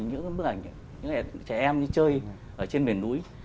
những cái bức ảnh những cái trẻ em chơi ở trên biển núi